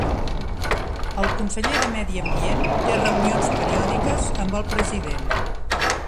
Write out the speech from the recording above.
El conseller de Medi Ambient té reunions periòdiques amb el president.